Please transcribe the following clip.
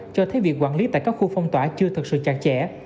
cho thấy việc quản lý tại các khu phong tỏa chưa thật sự chặt chẽ